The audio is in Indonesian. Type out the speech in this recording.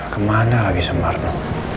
kemana lagi sumarno